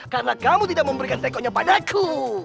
karena kamu tidak memberikan tekonya padaku